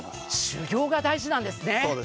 修業が大事なんですね。